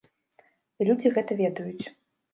І людзі гэта ведаюць.